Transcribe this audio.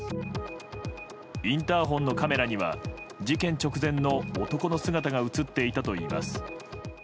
インターホンのカメラには事件直後の男の姿が映っていたといいます。